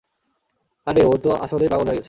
আরে ও তো আসলেই পাগল হয়ে গেছে।